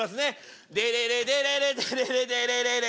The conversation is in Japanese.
デレレデレレデレレデレレレ。